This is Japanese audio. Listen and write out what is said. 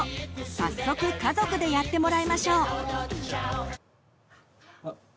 早速家族でやってもらいましょう！